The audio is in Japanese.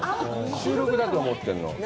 収録だと思ってるの。